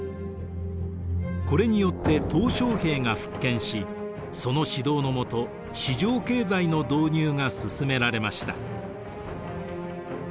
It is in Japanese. これによって小平が復権しその指導の下市場経済の導入が進められました。